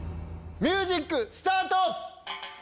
ミュージックスタート！